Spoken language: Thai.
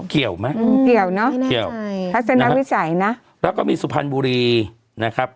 เกี่ยวไหมอืมเกี่ยวเนอะไม่แน่ใจภาษาแสงนักวิจัยน่ะแล้วก็มีสุพรรณบุรีนะครับ